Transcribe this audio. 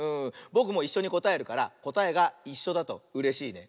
ぼくもいっしょにこたえるからこたえがいっしょだとうれしいね。